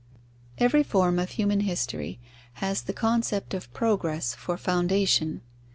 _ Every form of human history has the concept of progress for foundation.